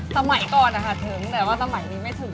สมัยก่อนถึงแต่ว่าสมัยนี้ไม่ถึง